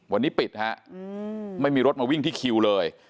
วันนี้ปิดฮะไม่มีรถมาวิ่งที่คิวเลย